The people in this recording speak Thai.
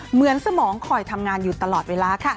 เหมือนสมองคอยทำงานอยู่ตลอดเวลาค่ะ